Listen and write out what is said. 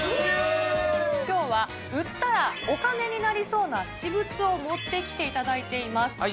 きょうは、売ったらお金になりそうな私物を持ってきていただいています。